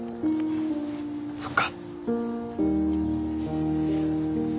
そっか。